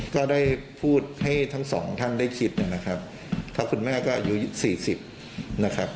ก็ได้พูดให้ทั้งสองท่านได้คิดนะครับเพราะคุณแม่ก็อายุสี่สิบนะครับ